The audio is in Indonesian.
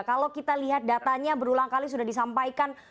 kalau kita lihat datanya berulang kali sudah disampaikan